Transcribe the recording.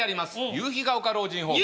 夕日が丘老人ホーム。